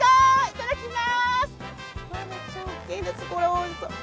いただきます！